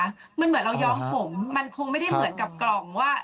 มันเหมือนเราย้อมผมมันคงไม่ได้เหมือนกับกล่องว่า